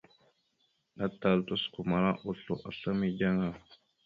Atal tosəkomala oslo asla mideŋ a.